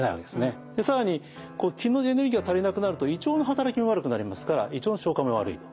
で更に気のエネルギーが足りなくなると胃腸の働きも悪くなりますから胃腸の消化も悪い。